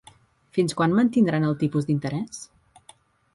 Fins quan mantindran els tipus d'interès?